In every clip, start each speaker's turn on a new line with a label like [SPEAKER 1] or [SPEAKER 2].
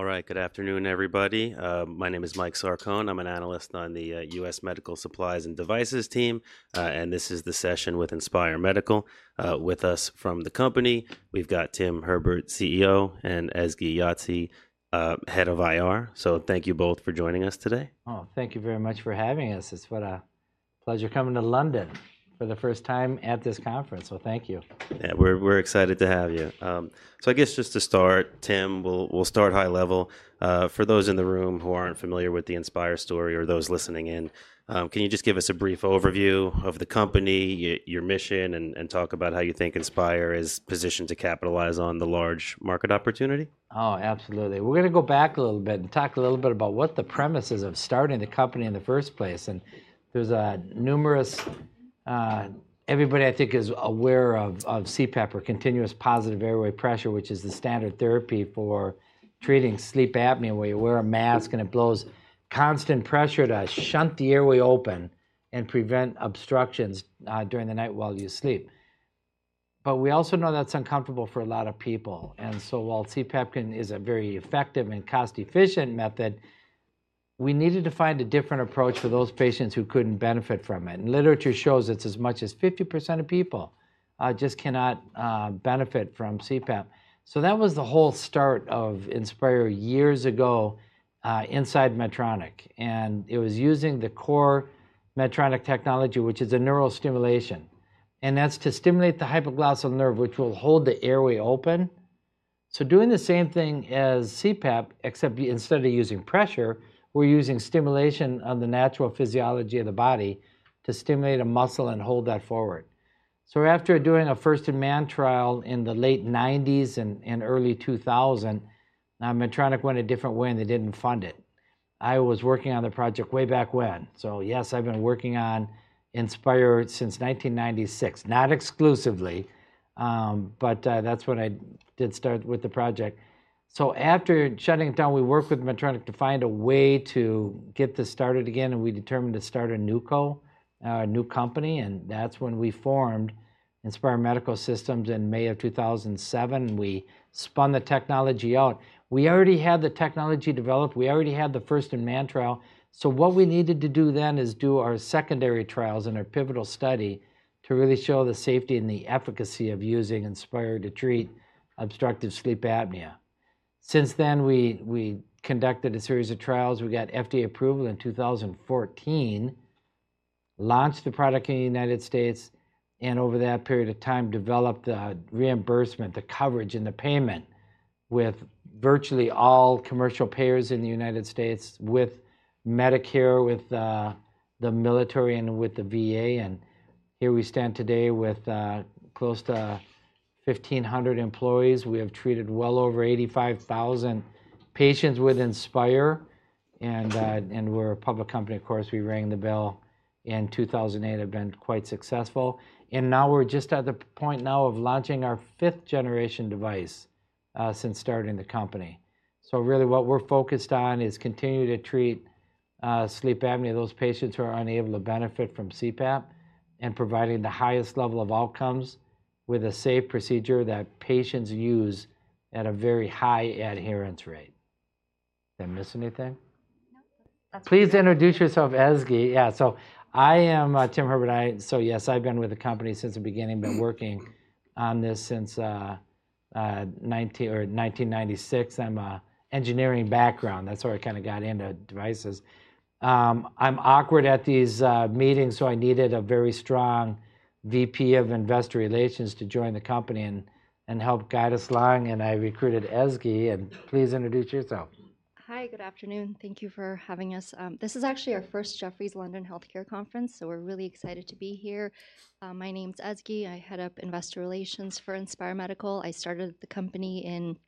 [SPEAKER 1] All right, good afternoon, everybody. My name is Mike Sarcone. I'm an Analyst on the U.S. Medical Supplies and Devices team, and this is the session with Inspire Medical with us from the company. We've got Tim Herbert, CEO, and Ezgi Yagci, Head of IR. So thank you both for joining us today.
[SPEAKER 2] Oh, thank you very much for having us. It's a pleasure coming to London for the first time at this conference. So thank you.
[SPEAKER 1] Yeah, we're excited to have you. So I guess just to start, Tim, we'll start high level. For those in the room who aren't familiar with the Inspire story or those listening in, can you just give us a brief overview of the company, your mission, and talk about how you think Inspire is positioned to capitalize on the large market opportunity?
[SPEAKER 2] Oh, absolutely. We're going to go back a little bit and talk a little bit about what the premise is of starting the company in the first place. And there's numerous, everybody, I think, is aware of CPAP, or Continuous Positive Airway Pressure, which is the standard therapy for treating sleep apnea, where you wear a mask and it blows constant pressure to shunt the airway open and prevent obstructions during the night while you sleep. But we also know that's uncomfortable for a lot of people. And so while CPAP is a very effective and cost-efficient method, we needed to find a different approach for those patients who couldn't benefit from it. And literature shows it's as much as 50% of people just cannot benefit from CPAP. So that was the whole start of Inspire years ago inside Medtronic. It was using the core Medtronic technology, which is a neural stimulation. That's to stimulate the hypoglossal nerve, which will hold the airway open. So doing the same thing as CPAP, except instead of using pressure, we're using stimulation on the natural physiology of the body to stimulate a muscle and hold that forward. So after doing a first-in-man trial in the late 1990s and early 2000s, Medtronic went a different way and they didn't fund it. I was working on the project way back when. So yes, I've been working on Inspire since 1996, not exclusively, but that's when I did start with the project. So after shutting it down, we worked with Medtronic to find a way to get this started again. We determined to start a new company, and that's when we formed Inspire Medical Systems in May of 2007. We spun the technology out. We already had the technology developed. We already had the first-in-man trial. So what we needed to do then is do our secondary trials and our pivotal study to really show the safety and the efficacy of using Inspire to treat obstructive sleep apnea. Since then, we conducted a series of trials. We got FDA approval in 2014, launched the product in the United States, and over that period of time, developed the reimbursement, the coverage, and the payment with virtually all commercial payers in the United States, with Medicare, with the military, and with the VA, and here we stand today with close to 1,500 employees. We have treated well over 85,000 patients with Inspire. And we're a public company, of course. We rang the bell in 2008, have been quite successful. Now we're just at the point now of launching our fifth-generation device since starting the company. Really, what we're focused on is continuing to treat sleep apnea, those patients who are unable to benefit from CPAP, and providing the highest level of outcomes with a safe procedure that patients use at a very high adherence rate. Did I miss anything? Please introduce yourself, Ezgi. Yeah, so I am Tim Herbert. So yes, I've been with the company since the beginning, been working on this since 1996. I'm an engineering background. That's where I kind of got into devices. I'm awkward at these meetings, so I needed a very strong VP of Investor Relations to join the company and help guide us along. And I recruited Ezgi. And please introduce yourself.
[SPEAKER 3] Hi, good afternoon. Thank you for having us. This is actually our first Jefferies London Healthcare Conference, so we're really excited to be here. My name's Ezgi. I head up Investor Relations for Inspire Medical. I started the company in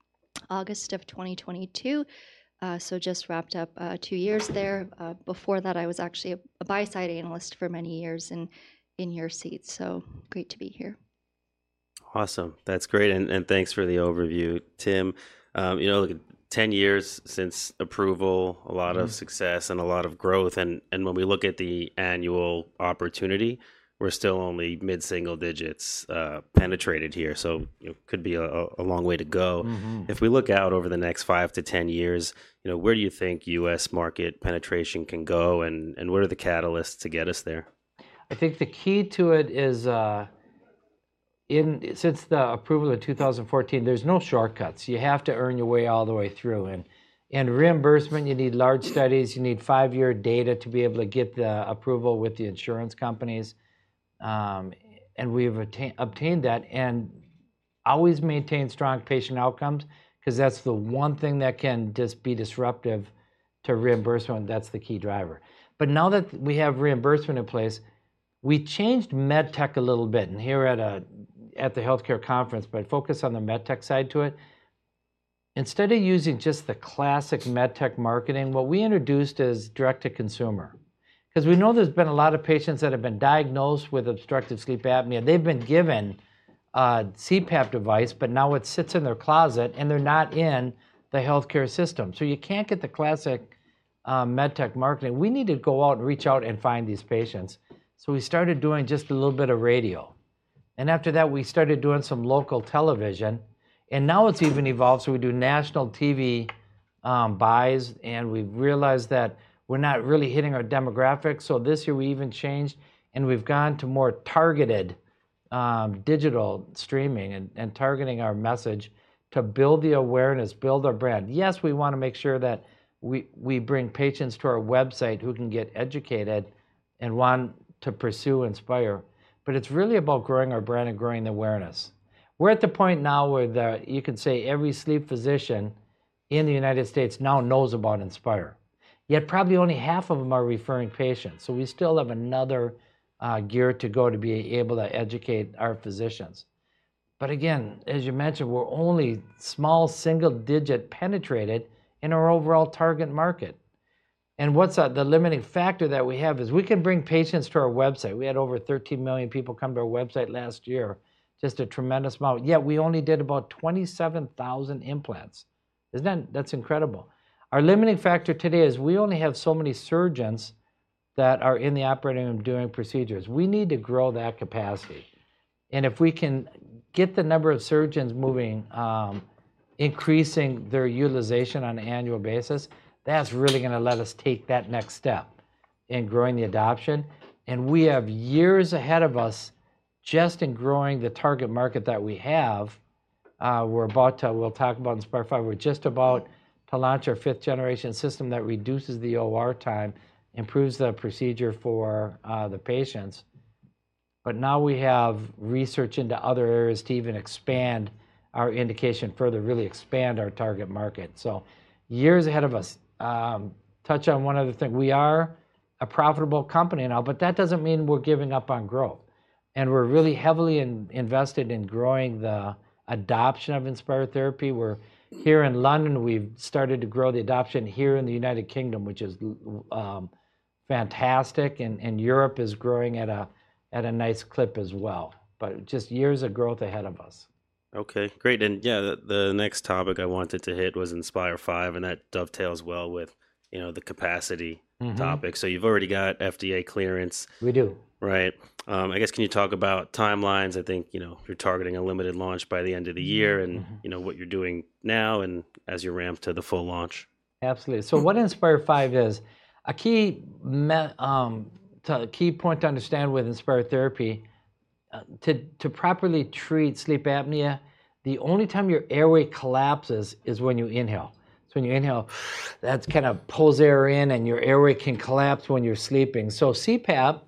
[SPEAKER 3] August of 2022, so just wrapped up two years there. Before that, I was actually a buy-side analyst for many years in your seat. So great to be here.
[SPEAKER 1] Awesome. That's great. And thanks for the overview, Tim. You know, look, 10 years since approval, a lot of success and a lot of growth. And when we look at the annual opportunity, we're still only mid-single digits penetrated here. So it could be a long way to go. If we look out over the next five to 10 years, where do you think U.S. market penetration can go? And what are the catalysts to get us there?
[SPEAKER 2] I think the key to it is, since the approval in 2014, there's no shortcuts. You have to earn your way all the way through. And reimbursement, you need large studies. You need five-year data to be able to get the approval with the insurance companies. And we have obtained that and always maintained strong patient outcomes because that's the one thing that can just be disruptive to reimbursement. That's the key driver. But now that we have reimbursement in place, we changed med tech a little bit. And here at the healthcare conference, but focus on the med tech side to it. Instead of using just the classic med tech marketing, what we introduced is direct-to-consumer. Because we know there's been a lot of patients that have been diagnosed with obstructive sleep apnea. They've been given a CPAP device, but now it sits in their closet and they're not in the healthcare system, so you can't get the classic med tech marketing. We need to go out and reach out and find these patients, so we started doing just a little bit of radio, and after that, we started doing some local television, and now it's even evolved, so we do national TV buys, and we've realized that we're not really hitting our demographics, so this year, we even changed and we've gone to more targeted digital streaming and targeting our message to build the awareness, build our brand. Yes, we want to make sure that we bring patients to our website who can get educated and want to pursue Inspire, but it's really about growing our brand and growing the awareness. We're at the point now where you can say every sleep physician in the United States now knows about Inspire. Yet probably only half of them are referring patients. So we still have another year to go to be able to educate our physicians. But again, as you mentioned, we're only small, single-digit penetrated in our overall target market. And what's the limiting factor that we have is we can bring patients to our website. We had over 13 million people come to our website last year, just a tremendous amount. Yet we only did about 27,000 implants. That's incredible. Our limiting factor today is we only have so many surgeons that are in the operating room doing procedures. We need to grow that capacity. If we can get the number of surgeons moving, increasing their utilization on an annual basis, that's really going to let us take that next step in growing the adoption. We have years ahead of us just in growing the target market that we have. We're about to, we'll talk about Inspire 5. We're just about to launch our fifth-generation system that reduces the OR time, improves the procedure for the patients. Now we have research into other areas to even expand our indication further, really expand our target market. Years ahead of us. Touch on one other thing. We are a profitable company now, but that doesn't mean we're giving up on growth. We're really heavily invested in growing the adoption of Inspire therapy. We're here in London. We've started to grow the adoption here in the United Kingdom, which is fantastic. Europe is growing at a nice clip as well. Just years of growth ahead of us.
[SPEAKER 1] Okay, great. And yeah, the next topic I wanted to hit was Inspire 5. And that dovetails well with the capacity topic. So you've already got FDA clearance.
[SPEAKER 2] We do.
[SPEAKER 1] Right. I guess can you talk about timelines? I think you're targeting a limited launch by the end of the year and what you're doing now and as you ramp to the full launch.
[SPEAKER 2] Absolutely. So what Inspire 5 is, a key point to understand with Inspire therapy, to properly treat sleep apnea, the only time your airway collapses is when you inhale. So when you inhale, that kind of pulls air in and your airway can collapse when you're sleeping. So CPAP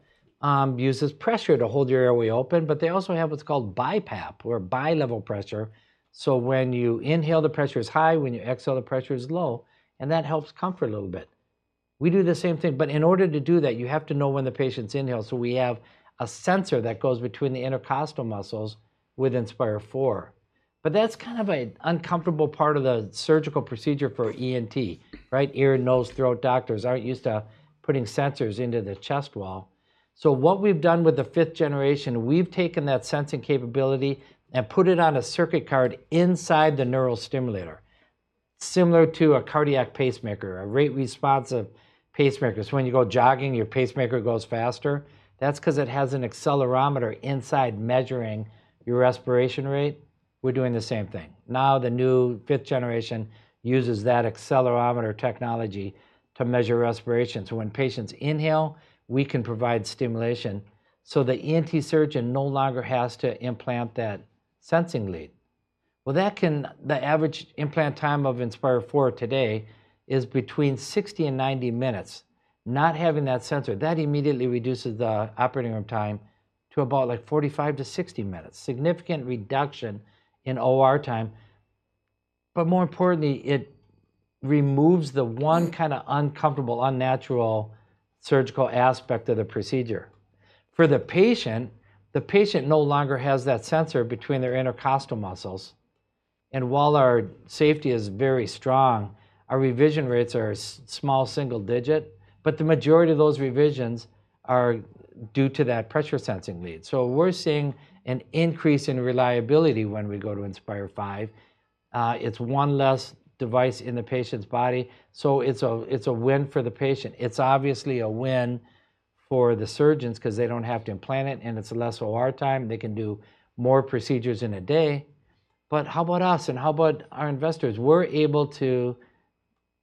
[SPEAKER 2] uses pressure to hold your airway open, but they also have what's called BiPAP, or bi-level pressure. So when you inhale, the pressure is high. When you exhale, the pressure is low. And that helps comfort a little bit. We do the same thing. But in order to do that, you have to know when the patient's inhaled. So we have a sensor that goes between the intercostal muscles with Inspire 4. But that's kind of an uncomfortable part of the surgical procedure for ENT, right? Ear, nose, throat doctors aren't used to putting sensors into the chest wall. So what we've done with the fifth generation, we've taken that sensing capability and put it on a circuit card inside the neurostimulator, similar to a cardiac pacemaker, a rate-responsive pacemaker. So when you go jogging, your pacemaker goes faster. That's because it has an accelerometer inside measuring your respiration rate. We're doing the same thing. Now the new fifth generation uses that accelerometer technology to measure respiration. So when patients inhale, we can provide stimulation so the ENT surgeon no longer has to implant that sensing lead. Well, the average implant time of Inspire 4 today is between 60 and 90 minutes. Not having that sensor, that immediately reduces the operating room time to about like 45 to 60 minutes. Significant reduction in OR time. But more importantly, it removes the one kind of uncomfortable, unnatural surgical aspect of the procedure. For the patient no longer has that sensor between their intercostal muscles, and while our safety is very strong, our revision rates are small single-digit, but the majority of those revisions are due to that pressure sensing lead, so we're seeing an increase in reliability when we go to Inspire 5. It's one less device in the patient's body, so it's a win for the patient. It's obviously a win for the surgeons because they don't have to implant it and it's less OR time. They can do more procedures in a day, but how about us, and how about our investors? We're able to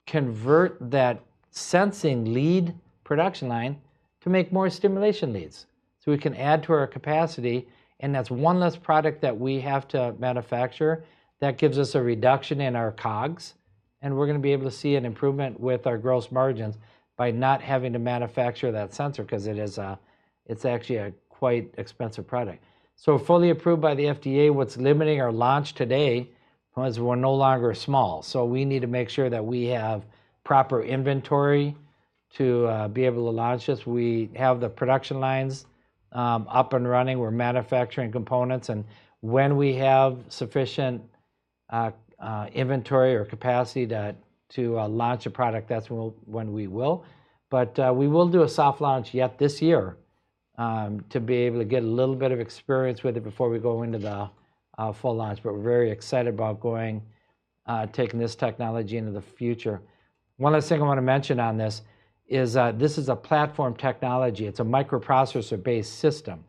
[SPEAKER 2] convert that sensing lead production line to make more stimulation leads, so we can add to our capacity, and that's one less product that we have to manufacture that gives us a reduction in our COGS. And we're going to be able to see an improvement with our gross margins by not having to manufacture that sensor because it's actually a quite expensive product. So fully approved by the FDA, what's limiting our launch today is we're no longer small. So we need to make sure that we have proper inventory to be able to launch this. We have the production lines up and running. We're manufacturing components. And when we have sufficient inventory or capacity to launch a product, that's when we will. But we will do a soft launch yet this year to be able to get a little bit of experience with it before we go into the full launch. But we're very excited about taking this technology into the future. One last thing I want to mention on this is this is a platform technology. It's a microprocessor-based system.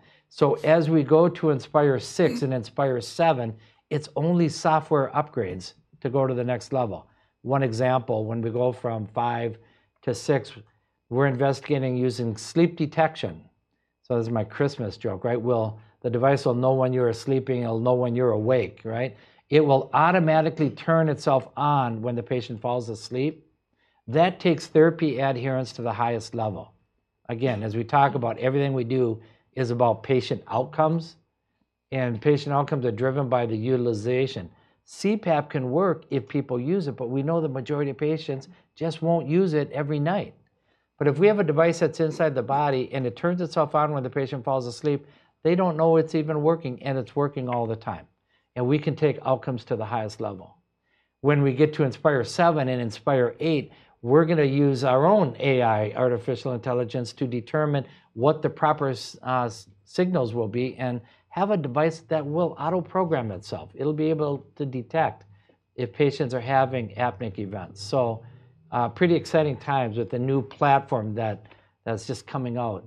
[SPEAKER 2] As we go to Inspire 6 and Inspire 7, it's only software upgrades to go to the next level. One example, when we go from 5 to 6, we're investigating using sleep detection. This is my Christmas joke, right? The device will know when you're sleeping. It'll know when you're awake, right? It will automatically turn itself on when the patient falls asleep. That takes therapy adherence to the highest level. Again, as we talk about, everything we do is about patient outcomes. Patient outcomes are driven by the utilization. CPAP can work if people use it, but we know the majority of patients just won't use it every night. If we have a device that's inside the body and it turns itself on when the patient falls asleep, they don't know it's even working. It's working all the time. We can take outcomes to the highest level. When we get to Inspire 7 and Inspire 8, we're going to use our own AI, artificial intelligence, to determine what the proper signals will be and have a device that will auto-program itself. It'll be able to detect if patients are having apneic events. Pretty exciting times with the new platform that's just coming out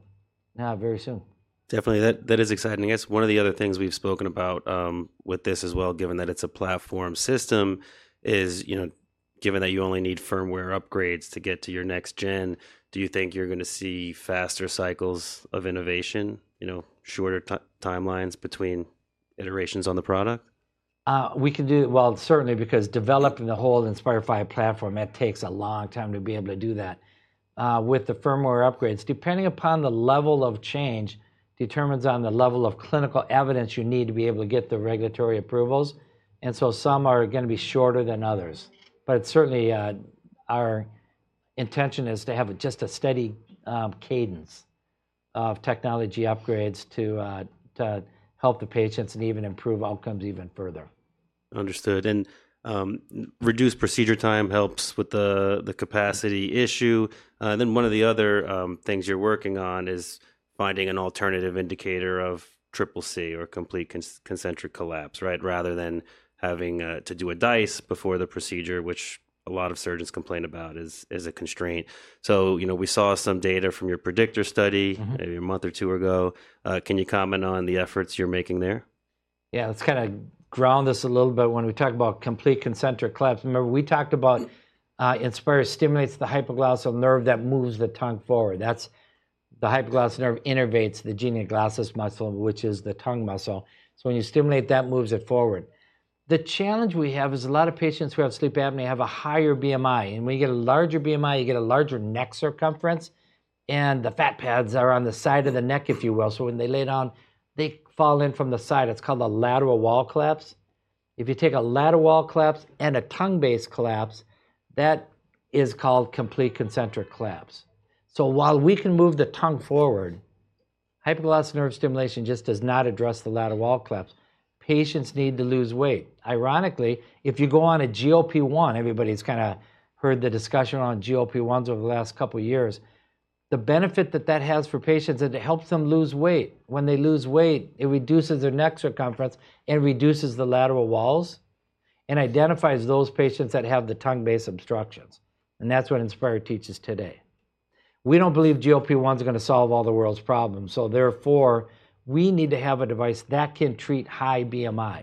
[SPEAKER 2] very soon.
[SPEAKER 1] Definitely. That is exciting. I guess one of the other things we've spoken about with this as well, given that it's a platform system, is given that you only need firmware upgrades to get to your next gen, do you think you're going to see faster cycles of innovation, shorter timelines between iterations on the product?
[SPEAKER 2] We can do it. Certainly, because developing the whole Inspire 5 platform, it takes a long time to be able to do that. With the firmware upgrades, depending upon the level of change, determines on the level of clinical evidence you need to be able to get the regulatory approvals, and so some are going to be shorter than others, but certainly our intention is to have just a steady cadence of technology upgrades to help the patients and even improve outcomes even further.
[SPEAKER 1] Understood. And reduced procedure time helps with the capacity issue. And then one of the other things you're working on is finding an alternative indicator of CCC or complete concentric collapse, right? Rather than having to do a DISE before the procedure, which a lot of surgeons complain about as a constraint. So we saw some data from your PREDICTOR study a month or two ago. Can you comment on the efforts you're making there?
[SPEAKER 2] Yeah, let's kind of ground us a little bit when we talk about complete concentric collapse. Remember, we talked about Inspire stimulates the hypoglossal nerve that moves the tongue forward. The hypoglossal nerve innervates the genioglossus muscle, which is the tongue muscle. So when you stimulate that, it moves it forward. The challenge we have is a lot of patients who have sleep apnea have a higher BMI. And when you get a larger BMI, you get a larger neck circumference. And the fat pads are on the side of the neck, if you will. So when they lay down, they fall in from the side. It's called a lateral wall collapse. If you take a lateral wall collapse and a tongue-based collapse, that is called complete concentric collapse. So while we can move the tongue forward, hypoglossal nerve stimulation just does not address the lateral wall collapse. Patients need to lose weight. Ironically, if you go on a GLP-1, everybody's kind of heard the discussion on GLP-1 over the last couple of years, the benefit that that has for patients is it helps them lose weight. When they lose weight, it reduces their neck circumference and reduces the lateral walls and identifies those patients that have the tongue-based obstructions, and that's what Inspire teaches today. We don't believe GLP-1 are going to solve all the world's problems, so therefore, we need to have a device that can treat high BMI,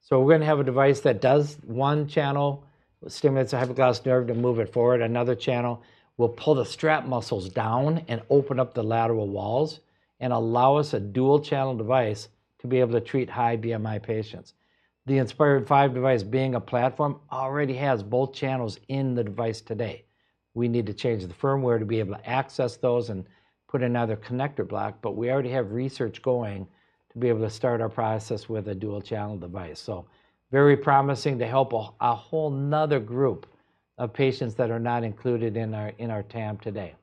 [SPEAKER 2] so we're going to have a device that does one channel, stimulates the hypoglossal nerve to move it forward. Another channel will pull the strap muscles down and open up the lateral walls and allow us a dual-channel device to be able to treat high BMI patients. The Inspire 5 device, being a platform, already has both channels in the device today. We need to change the firmware to be able to access those and put in another connector block. But we already have research going to be able to start our process with a dual-channel device. So very promising to help a whole another group of patients that are not included in our TAM today.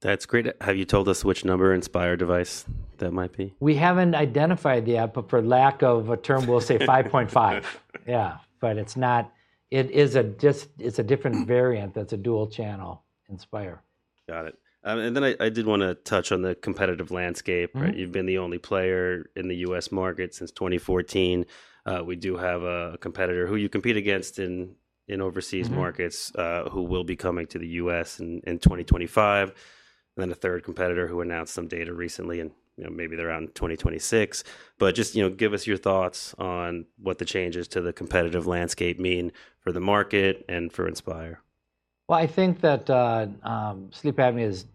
[SPEAKER 1] That's great. Have you told us which number Inspire device that might be?
[SPEAKER 2] We haven't identified yet, but for lack of a term, we'll say 5.5. Yeah, but it's not, it is a different variant that's a dual-channel Inspire.
[SPEAKER 1] Got it. And then I did want to touch on the competitive landscape. You've been the only player in the U.S. market since 2014. We do have a competitor who you compete against in overseas markets who will be coming to the U.S. in 2025. And then a third competitor who announced some data recently in maybe around 2026. But just give us your thoughts on what the changes to the competitive landscape mean for the market and for Inspire?
[SPEAKER 2] I think that sleep apnea is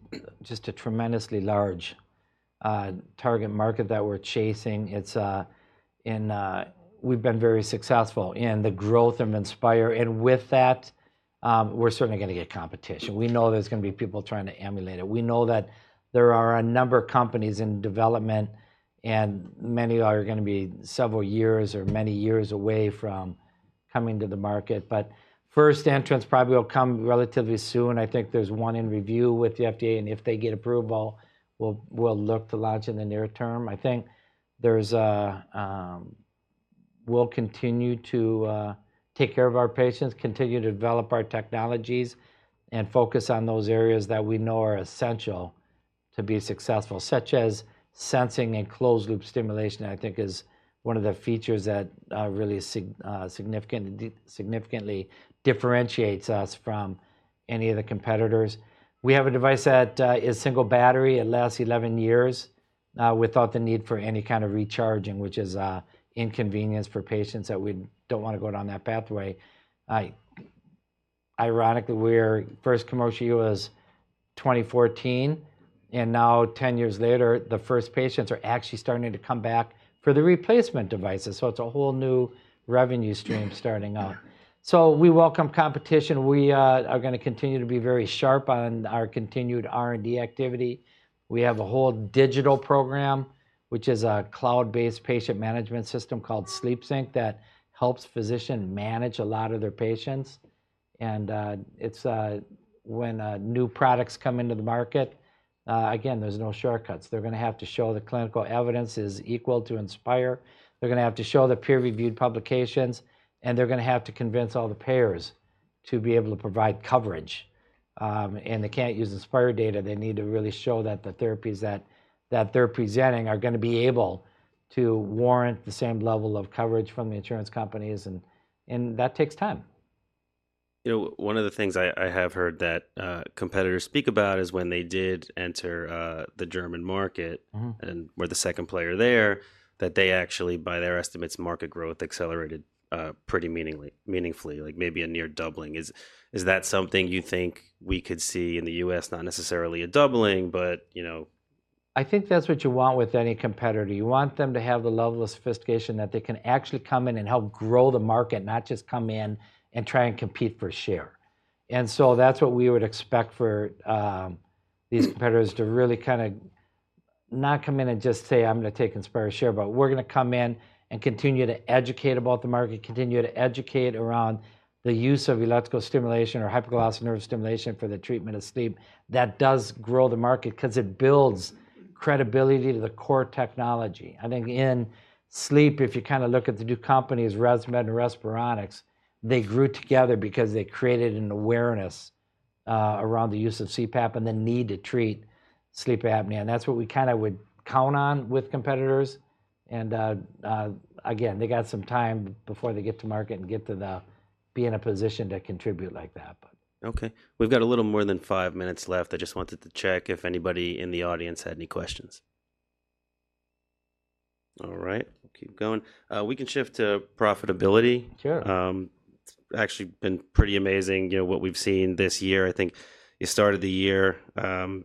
[SPEAKER 2] just a tremendously large target market that we're chasing. We've been very successful in the growth of Inspire. With that, we're certainly going to get competition. We know there's going to be people trying to emulate it. We know that there are a number of companies in development and many are going to be several years or many years away from coming to the market. First entrants probably will come relatively soon. I think there's one in review with the FDA. If they get approval, we'll look to launch in the near term. I think we'll continue to take care of our patients, continue to develop our technologies, and focus on those areas that we know are essential to be successful, such as sensing and closed-loop stimulation. I think is one of the features that really significantly differentiates us from any of the competitors. We have a device that is single battery. It lasts 11 years without the need for any kind of recharging, which is inconvenient for patients that we don't want to go down that pathway. Ironically, when first commercial was 2014, and now 10 years later, the first patients are actually starting to come back for the replacement devices. So it's a whole new revenue stream starting up. So we welcome competition. We are going to continue to be very sharp on our continued R&D activity. We have a whole digital program, which is a cloud-based patient management system called SleepSync that helps physicians manage a lot of their patients. And when new products come into the market, again, there's no shortcuts. They're going to have to show the clinical evidence is equal to Inspire. They're going to have to show the peer-reviewed publications. And they're going to have to convince all the payers to be able to provide coverage. And they can't use Inspire data. They need to really show that the therapies that they're presenting are going to be able to warrant the same level of coverage from the insurance companies. And that takes time.
[SPEAKER 1] One of the things I have heard that competitors speak about is when they did enter the German market and were the second player there, that they actually, by their estimates, market growth accelerated pretty meaningfully, like maybe a near doubling. Is that something you think we could see in the U.S.? Not necessarily a doubling, but.
[SPEAKER 2] I think that's what you want with any competitor. You want them to have the level of sophistication that they can actually come in and help grow the market, not just come in and try and compete for share, and so that's what we would expect for these competitors to really kind of not come in and just say, "I'm going to take Inspire share," but we're going to come in and continue to educate about the market, continue to educate around the use of electrical stimulation or hypoglossal nerve stimulation for the treatment of sleep. That does grow the market because it builds credibility to the core technology. I think in sleep, if you kind of look at the two companies, ResMed and Respironics, they grew together because they created an awareness around the use of CPAP and the need to treat sleep apnea. And that's what we kind of would count on with competitors. And again, they got some time before they get to market and get to be in a position to contribute like that.
[SPEAKER 1] Okay. We've got a little more than five minutes left. I just wanted to check if anybody in the audience had any questions. All right. We'll keep going. We can shift to profitability.
[SPEAKER 2] Sure.
[SPEAKER 1] It's actually been pretty amazing what we've seen this year. I think you started the year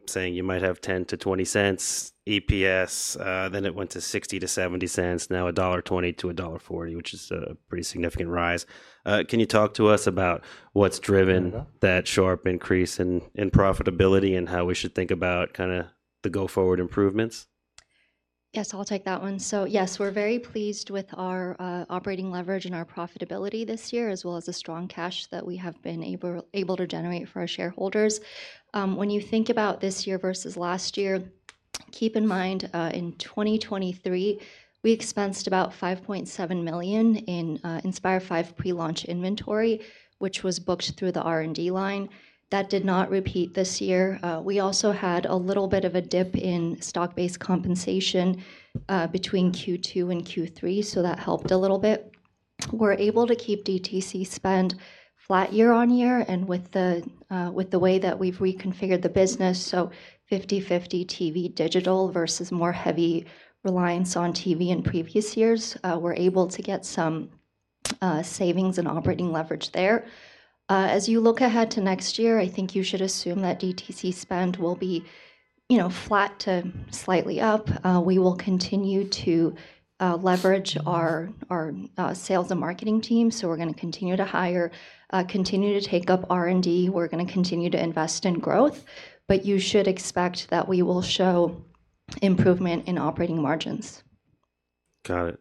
[SPEAKER 1] saying you might have $0.10-$0.20 EPS. Then it went to $0.60-$0.70. Now $1.20-$1.40, which is a pretty significant rise. Can you talk to us about what's driven that sharp increase in profitability and how we should think about kind of the go-forward improvements?
[SPEAKER 3] Yes, I'll take that one. So yes, we're very pleased with our operating leverage and our profitability this year, as well as the strong cash that we have been able to generate for our shareholders. When you think about this year versus last year, keep in mind in 2023, we expensed about $5.7 million in Inspire 5 pre-launch inventory, which was booked through the R&D line. That did not repeat this year. We also had a little bit of a dip in stock-based compensation between Q2 and Q3, so that helped a little bit. We're able to keep DTC spend flat year-on-year. And with the way that we've reconfigured the business, so 50/50 TV digital versus more heavy reliance on TV in previous years, we're able to get some savings and operating leverage there. As you look ahead to next year, I think you should assume that DTC spend will be flat to slightly up. We will continue to leverage our sales and marketing team. So we're going to continue to hire, continue to take up R&D. We're going to continue to invest in growth. But you should expect that we will show improvement in operating margins.
[SPEAKER 1] Got it.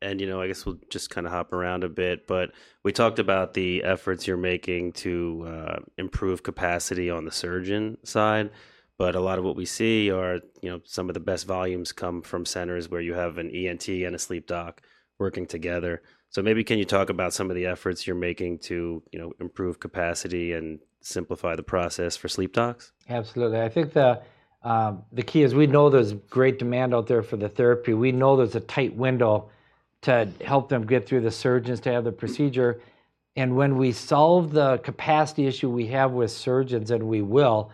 [SPEAKER 1] And I guess we'll just kind of hop around a bit. But we talked about the efforts you're making to improve capacity on the surgeon side. But a lot of what we see are some of the best volumes come from centers where you have an ENT and a sleep doc working together. So maybe can you talk about some of the efforts you're making to improve capacity and simplify the process for sleep docs?
[SPEAKER 2] Absolutely. I think the key is we know there's great demand out there for the therapy. We know there's a tight window to help them get through the surgeons to have the procedure. And when we solve the capacity issue we have with surgeons, and we will,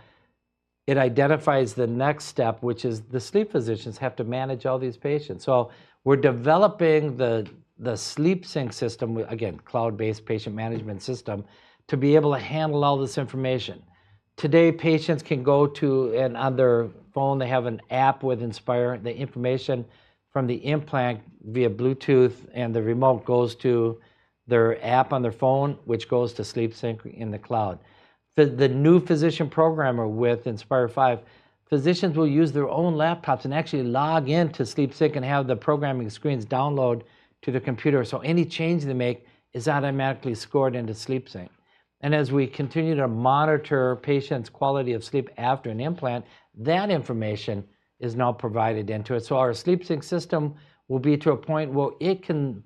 [SPEAKER 2] it identifies the next step, which is the sleep physicians have to manage all these patients. So we're developing the SleepSync system, again, cloud-based patient management system, to be able to handle all this information. Today, patients can go to, on their phone, they have an app with Inspire, the information from the implant via Bluetooth and the remote goes to their app on their phone, which goes to SleepSync in the cloud. The new physician programmer with Inspire 5, physicians will use their own laptops and actually log into SleepSync and have the programming screens download to their computer. So any change they make is automatically scored into SleepSync. And as we continue to monitor patients' quality of sleep after an implant, that information is now provided into it. So our SleepSync system will be to a point where it can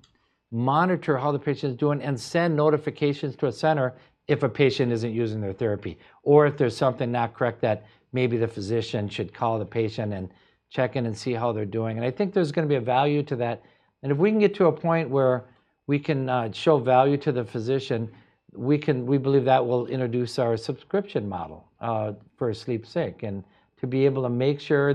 [SPEAKER 2] monitor how the patient is doing and send notifications to a center if a patient isn't using their therapy or if there's something not correct that maybe the physician should call the patient and check in and see how they're doing. And I think there's going to be a value to that. And if we can get to a point where we can show value to the physician, we believe that will introduce our subscription model for SleepSync and to be able to make sure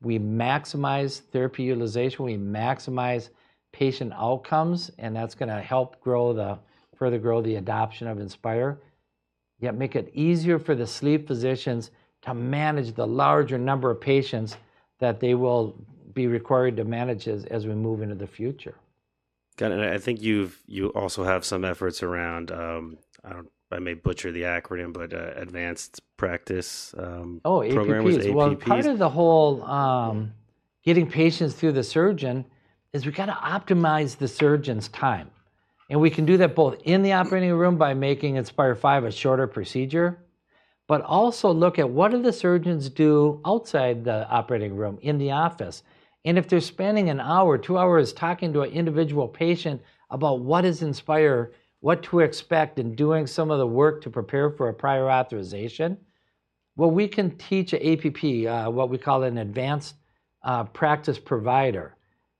[SPEAKER 2] we maximize therapy utilization, we maximize patient outcomes. That's going to help further grow the adoption of Inspire, yet make it easier for the sleep physicians to manage the larger number of patients that they will be required to manage as we move into the future.
[SPEAKER 1] Got it. And I think you also have some efforts around, I may butcher the acronym, but Advanced Practice Provider.
[SPEAKER 2] Oh, APPs. Part of the whole getting patients through the surgeon is we've got to optimize the surgeon's time. And we can do that both in the operating room by making Inspire 5 a shorter procedure, but also look at what do the surgeons do outside the operating room in the office. If they're spending an hour, two hours talking to an individual patient about what is Inspire, what to expect in doing some of the work to prepare for a prior authorization, well, we can teach APP, what we call an Advanced Practice Provider,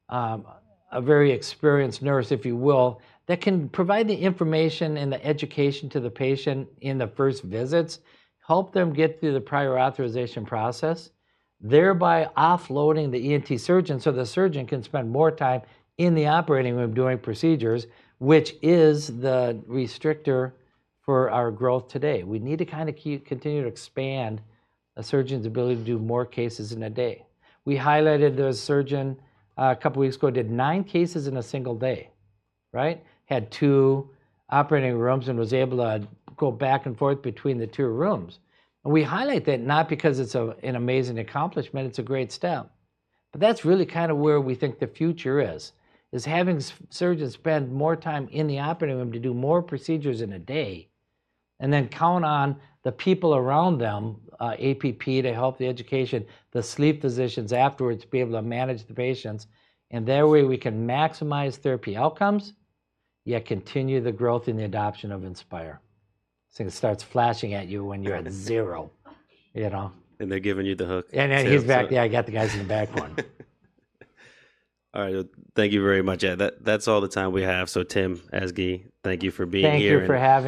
[SPEAKER 2] a very experienced nurse, if you will, that can provide the information and the education to the patient in the first visits, help them get through the prior authorization process, thereby offloading the ENT surgeon so the surgeon can spend more time in the operating room doing procedures, which is the restrictor for our growth today. We need to kind of continue to expand a surgeon's ability to do more cases in a day. We highlighted the surgeon a couple of weeks ago did nine cases in a single day, right? Had two operating rooms and was able to go back and forth between the two rooms. And we highlight that not because it's an amazing accomplishment, it's a great step. But that's really kind of where we think the future is, is having surgeons spend more time in the operating room to do more procedures in a day and then count on the people around them, APP, to help the education, the sleep physicians afterwards to be able to manage the patients. And that way we can maximize therapy outcomes, yet continue the growth in the adoption of Inspire. So it starts flashing at you when you're at zero.
[SPEAKER 1] They're giving you the hook.
[SPEAKER 2] He's back. Yeah, I got the guys in the back one.
[SPEAKER 1] All right. Thank you very much. That's all the time we have. So Tim, Ezgi, thank you for being here.
[SPEAKER 2] Thank you for having...